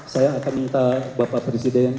saya akan minta bapak presiden